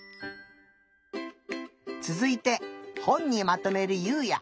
つづいてほんにまとめるゆうや。